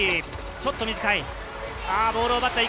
ちょっと短い。